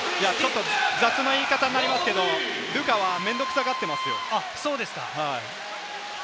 雑な言い方ですけれど、ルカは面倒くさがっていますよ。